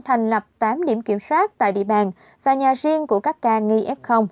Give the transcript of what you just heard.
thành lập tám điểm kiểm soát tại địa bàn và nhà riêng của các ca nghi f